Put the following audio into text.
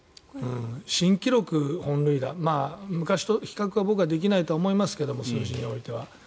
新記録、本塁打昔と比較は僕はできないと思いますが数字においては。